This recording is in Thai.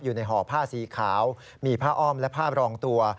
ห่อผ้าสีขาวมีผ้าอ้อมและผ้ารองตัว